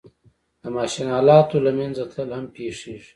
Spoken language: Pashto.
د ماشین آلاتو له منځه تلل هم پېښېږي